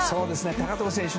高藤選手